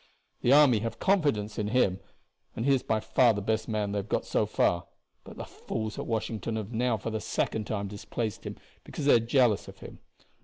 The army have confidence in him, and he is by far the best man they have got so far, but the fools at Washington have now for the second time displaced him because they are jealous of him.